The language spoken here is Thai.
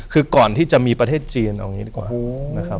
คือก่อนที่จะมีประเทศจีนเอาอย่างนี้ดีกว่านะครับ